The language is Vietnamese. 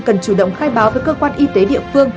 cần chủ động khai báo với cơ quan y tế địa phương